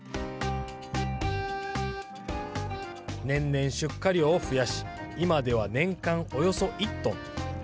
年々出荷量を増やし今では年間およそ１トン。